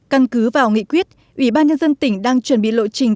căn cứ vào nghị quyết ủy ban nhân dân tỉnh đang chuẩn bị lộ trình